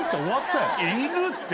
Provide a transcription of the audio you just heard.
いるって。